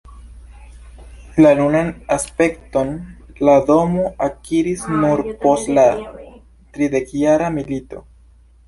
La nunan aspekton la domo akiris nur post la Tridekjara milito.